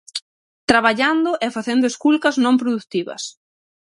Traballando e facendo esculcas non produtivas.